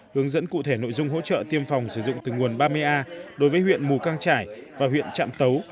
hướng dẫn cụ thể nội dung hỗ trợ tiêm phòng sử dụng từ nguồn ba mươi a đối với huyện mù căng trải và huyện trạm tấu